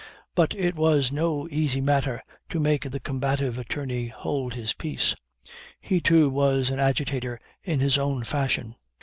But it was no easy matter to make the combative attorney hold his peace he, too, was an agitator in his own fashion.